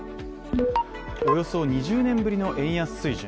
およそ２０年ぶりの円安水準。